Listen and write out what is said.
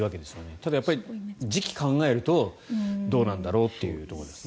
ただ、時期を考えるとどうなんだろうっていうところですね。